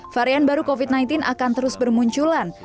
varian baru covid sembilan belas akan terus bermunculan